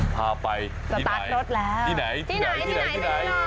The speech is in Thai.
พาไปที่ไหนที่ไหนที่ไหนที่ไหน